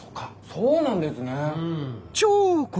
そうなんですね。